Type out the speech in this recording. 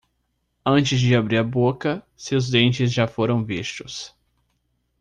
Antes de abrir a boca, seus dentes já foram vistos.